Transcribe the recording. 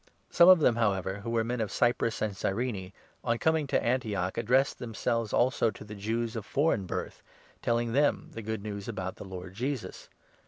Some of them, however, who were men of 20 Cyprus and Cyrene, on coming to Antioch, addressed them selves also to the Jews of foreign birth, telling them the Good News about the Lord Jesus.